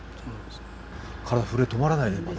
体、震え止まらないね。